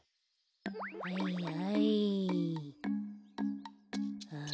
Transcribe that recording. はいはい。